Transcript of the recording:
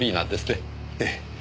ええ。